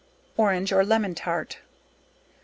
Orange or Lemon Tart.